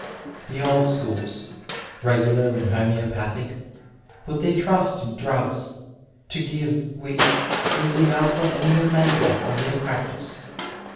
The old schools — ^regular and homoeopathic — put their trust in drugs, to give which was the alpha and the omega of their practice.